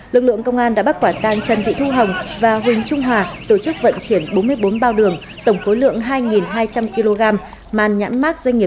lực lượng công an đã bắt quả tang trần thị thu hồng và huỳnh trung hòa tổ chức vận chuyển bốn mươi bốn bao đường tổng khối lượng hai hai trăm linh kg